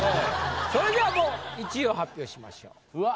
それじゃあもう１位を発表しましょう。